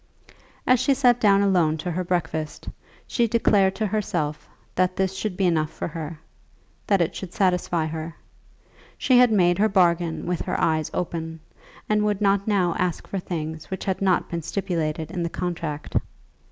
As she sat down alone to her breakfast, she declared to herself that this should be enough for her, that it should satisfy her. She had made her bargain with her eyes open, and would not now ask for things which had not been stipulated in the contract.